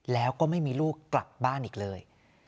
แล้วก็ไม่มีลูกกลับบ้านอีกเลย